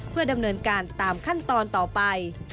เพื่อดำเนินการตามขั้นตอนต่อไป